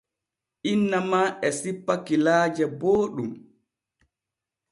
Inna ma e sippa kilaaje booɗɗum.